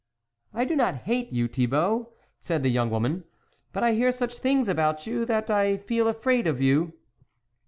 " I do not hate you, Thibault," said the young woman, " but I hear such things about you, that I feel afraid of you."